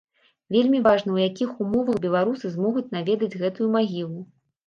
Вельмі важна ў якіх умовах беларусы змогуць наведаць гэтую магілу.